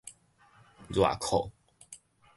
熱褲